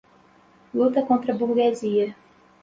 luta contra a burguesia